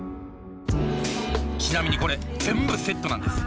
ちなみにこれ全部セットなんです。